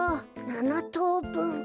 ７とうぶん。